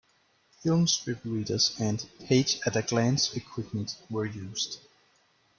Film strip readers and page-at-a-glance equipment were used.